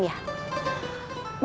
mau minta didoain ya